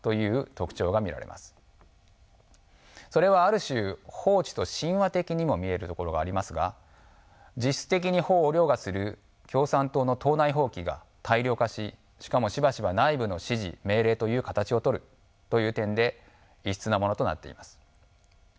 それはある種法治と親和的にも見えるところがありますが実質的に法を凌駕する共産党の党内法規が大量化ししかもしばしば内部の指示・命令という形を取るという点で異質なものとなっています。